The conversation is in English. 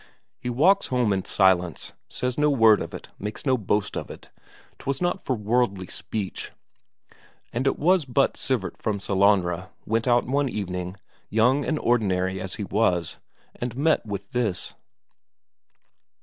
He walks home in silence, says no word of it, makes no boast of it, 'twas not for worldly speech. And it was but Sivert from Sellanraa, went out one evening, young and ordinary as he was, and met with this.